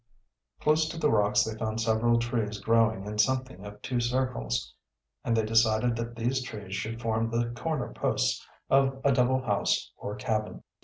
Close to the rocks they found several trees growing in something of two circles, and they decided that these trees should form the corner posts of a double house or cabin.